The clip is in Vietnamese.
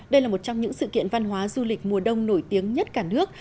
đây là một trong những sự kiện văn hóa du lịch mùa đông nổi tiếng nhất cả nước